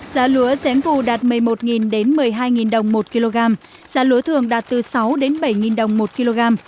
giá lúa giếm bù đạt một mươi một một mươi hai đồng một kg giá lúa thường đạt từ sáu bảy đồng một kg